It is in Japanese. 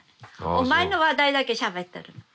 お前の話題だけしゃべってるの。